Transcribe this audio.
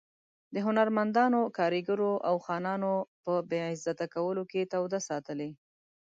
د هنرمندانو، کارګرو او خانانو په بې عزته کولو کې توده ساتلې.